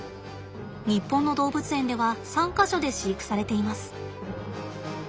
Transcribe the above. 日本の動物園では３か所で飼育されています。